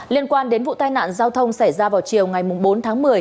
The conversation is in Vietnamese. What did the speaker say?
liên quan đến vụ tai nạn giao thông xảy ra vào chiều ngày bốn tháng một mươi